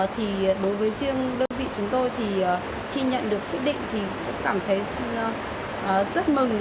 thì đối với riêng đơn vị chúng tôi thì khi nhận được quyết định thì sẽ cảm thấy rất mừng